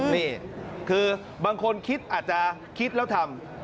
นี่คือบางคนคิดอาจจะคิดแล้วทำ